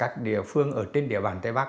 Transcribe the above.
các địa phương ở trên địa bàn tây bắc